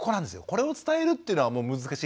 これを伝えるっていうのはもう難しい。